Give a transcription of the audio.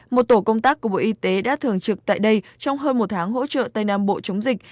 một tổ công tác của bộ y tế đã thường trực tại đây trong hơn một tháng hỗ trợ tây nam bộ chống dịch